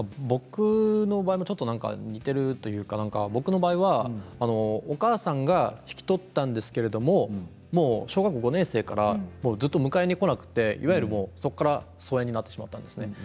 僕の場合もちょっと似ているというか僕の場合は、お母さんが引き取ったんですけれどもう小学校５年生からずっと迎えに来なくていわゆるそこから疎遠になってしまったんですね。